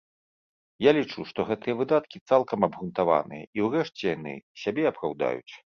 Я лічу, што гэтыя выдаткі цалкам абгрунтаваныя і ўрэшце яны сябе апраўдаюць.